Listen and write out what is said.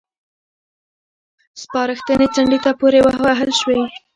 سپارښتنې څنډې ته پورې ووهل شوې.